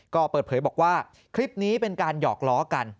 ก็เปิดเผยบอกว่าคลิปนี้เป็นการหยอกล้อกัน